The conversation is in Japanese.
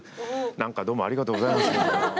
何かどうもありがとうございます。